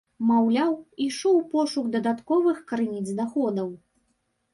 Маўляў, ішоў пошук дадатковых крыніц даходаў.